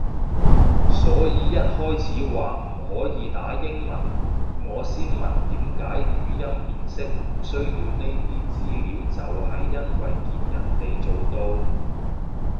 所以一開始話唔可以打英文，我先會問點解語音辨識唔需要呢啲資料就係因為見人哋做到